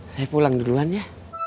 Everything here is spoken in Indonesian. saya pulang duluan ya